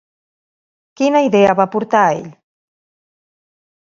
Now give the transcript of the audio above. Quina idea va aportar ell?